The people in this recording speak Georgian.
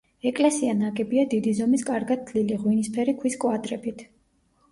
ეკლესია ნაგებია დიდი ზომის კარგად თლილი, ღვინისფერი ქვის კვადრებით.